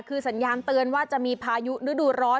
คือสัญญาณเตือนว่าจะมีพายุฤดูร้อน